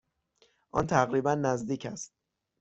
آن تقریبا نزدیک است.